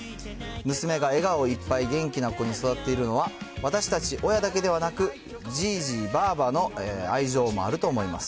娘が笑顔いっぱい元気な子に育っているのは、私たち親だけではなく、じいじ、ばあばの愛情もあると思います。